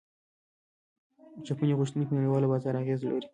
چیني غوښتنې په نړیوال بازار اغیز لري.